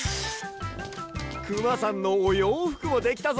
くまさんのおようふくもできたぞ。